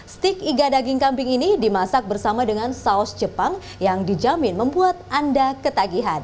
stik iga daging kambing ini dimasak bersama dengan saus jepang yang dijamin membuat anda ketagihan